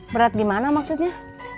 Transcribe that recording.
berat gimana maksudnya